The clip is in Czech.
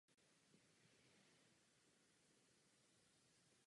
Nakonec musí před policií utéct.